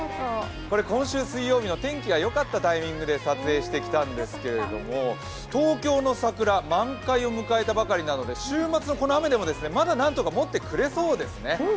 今週水曜日の天気が良かったタイミングで撮影してきたんですが東京の桜、満開を迎えたばかりなので週末のこの雨でもまだ何とかもってくれそうですね。